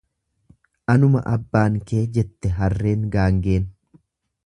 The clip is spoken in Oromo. Anuma abbaan kee jette harreen gaangeen.